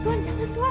tuhan jangan tuhan